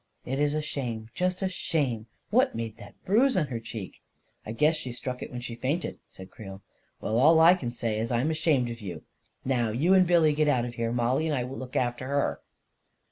" 41 It's a shame, just the same 1 What made that bruise on her cheek ?"" I guess she struck it when she fainted," said Creel. "Well, all I can say is I'm ashamed of youl Now you and Billy get out of here. Mollie and I will look after her."